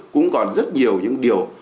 cũng còn rất nhiều những điều